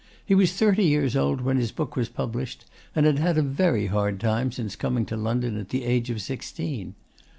He was thirty years old when his book was published, and had had a very hard time since coming to London at the age of sixteen.